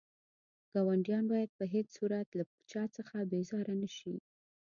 ګاونډيان بايد په هيڅ صورت له چا څخه بيزاره نه شئ.